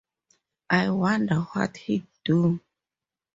I wonder what he'd do?